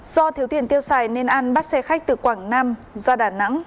do thiếu tiền tiêu xài nên an bắt xe khách từ quảng nam ra đà nẵng